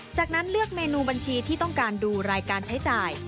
จากนั้นเลือกเมนูบัญชีที่ต้องการดูรายการใช้จ่าย